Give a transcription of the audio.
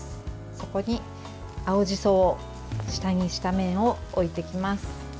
そこに青じそを下にした面を置いていきます。